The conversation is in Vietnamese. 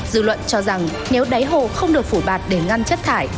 dự luận cho rằng nếu đáy hồ không được phủ bạc để ngăn chất thải